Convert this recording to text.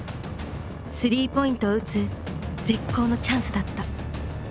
３ポイントを打つ絶好のチャンスだった。